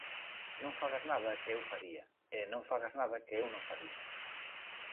Non fagas nada que eu faría, e non fagas nada que eu non faría.